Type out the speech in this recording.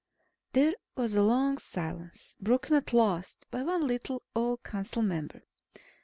There was a long silence, broken at last by one little, old council member.